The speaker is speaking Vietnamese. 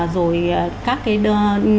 rồi các cái đơn